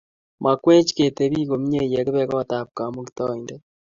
Makwech ketebii komye yekibe kot ab Kmauktaindet